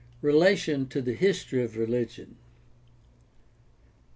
Relation to the history of religion.